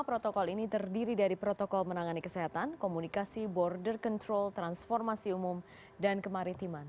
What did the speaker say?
protokol ini terdiri dari protokol menangani kesehatan komunikasi border control transformasi umum dan kemaritiman